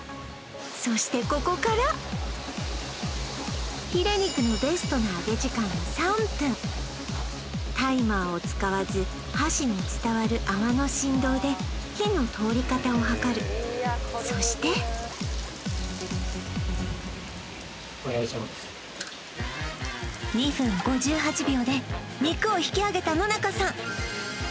そしてここからヒレ肉のベストな揚げ時間は３分タイマーを使わず箸に伝わる泡の振動で火の通り方をはかるそして２分５８秒で肉を引き上げた野中さん